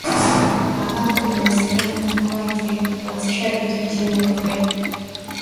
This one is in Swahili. ambapo imewezekana kwake kuanzisha vita nchini Ukraine